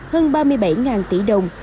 hơn ba mươi bảy tỷ đồng